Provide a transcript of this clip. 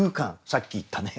さっき言ったね